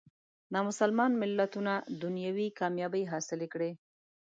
نامسلمان ملتونه دنیوي کامیابۍ حاصلې کړي.